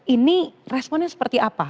ini responnya seperti apa